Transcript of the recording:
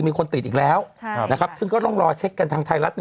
มีคนติดอีกแล้วซึ่งก็ต้องรอเช็คกันทางไทยรัฐ